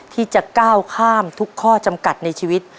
ที่จะก้าวข้ามทุกข้อจำกัดในชีวิต